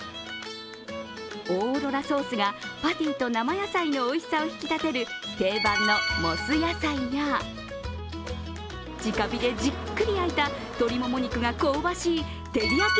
オーロラソースがパティと生野菜のおいしさを引き立てる定番のモス野菜や直火でじっくり焼いた鶏もも肉が香ばしいテリヤキ